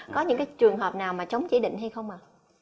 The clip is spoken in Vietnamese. có những trường hợp nào mà chống chỉ định hay không ạ